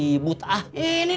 kalau dia mau kalau ngga